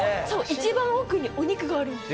一番奥にお肉があるよ。